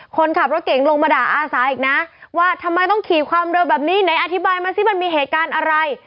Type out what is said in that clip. คนขับรถเก่งลงมาด่าอาสาอีกนะว่าทำไมต้องขี่ความเร็วแบบนี้ไหนอธิบายมาสิมันมีเหตุการณ์อะไร